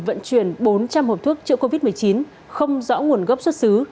vận chuyển bốn trăm linh hộp thuốc chữa covid một mươi chín không rõ nguồn gốc xuất xứ